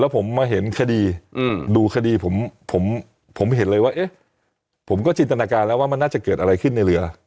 ผมมาเห็นคดีดูคดีผมผมเห็นเลยว่าเอ๊ะผมก็จินตนาการแล้วว่ามันน่าจะเกิดอะไรขึ้นในเรือล่ะ